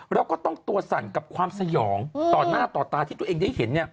แล้วก็ต้องตัวสั่นกับความสยองต่อหน้าต่อตาที่ตัวเองได้เห็น